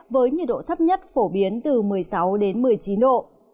với nhiệt độ thấp nhất phổ biến từ một mươi sáu đến một mươi chín độ